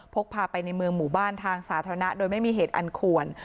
พกพาไปในเมืองหมู่บ้านทางสาธารณะโดยไม่มีเหตุอันควร